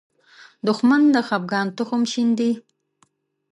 دښمن د خپګان تخم شیندي